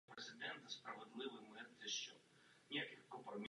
Zvláštní pochvalu si zaslouží zpravodajka Ewa Klamtová.